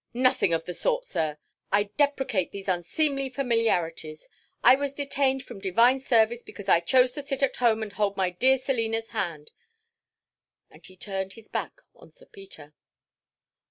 "Nothing of the sort, sir!—I deprecate these unseemly familiarities. I was detained from divine service because I chose to sit at home and hold my dear Selina's hand!" And he turned his back on Sir Peter.